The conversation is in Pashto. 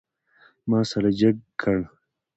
ما سر جګ کړ.